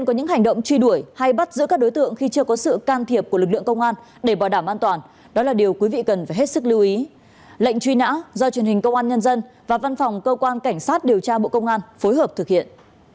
cảnh sát điều tra bộ công an phối hợp thực hiện